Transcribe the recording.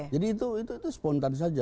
jadi itu itu itu spontan saja